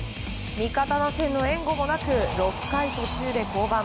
味方打線の援護もなく６回途中で降板。